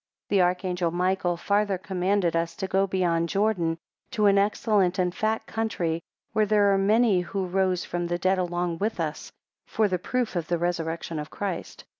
4 The archangel Michael farther commanded us to go beyond Jordan, to an excellent and fat country, where there are many who rose from the dead along with us for the proof of the resurrection of Christ.